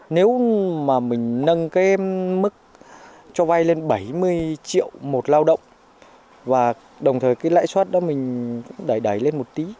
nếu mà mình nâng cái mức cho vay lên bảy mươi triệu một lao động và đồng thời cái lãi suất đó mình đẩy đẩy lên một tí